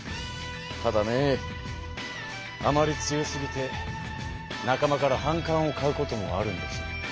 ただねあまり強すぎて仲間から反感を買うこともあるんです。